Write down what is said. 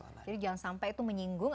jadi jangan sampai itu menyinggung